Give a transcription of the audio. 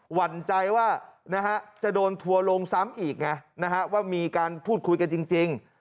หวั่นใจว่าจะโดนถั่วลงซ้ำอีกว่ามีการพูดคุยกันจริง